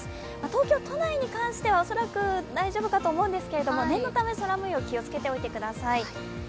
東京都内に関してはおそらく大丈夫かと思うんですけれども念のため、空もよう、気をつけておいてください。